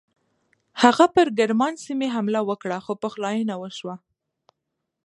هغه پر ګرمان سیمې حمله وکړه خو پخلاینه وشوه.